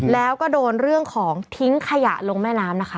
แล้วก็โดนเรื่องของทิ้งขยะลงแม่น้ำนะคะ